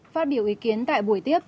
phát biểu ý kiến tại buổi tiếp